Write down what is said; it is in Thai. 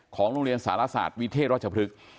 ของโรงเรียนสารศาสตร์วิเทศรัชพฤกษ์